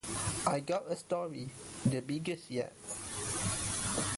I’ve got a Story—the biggest yet!